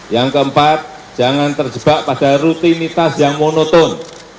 yang keempat jangan terjebak pada rutinitas yang monoton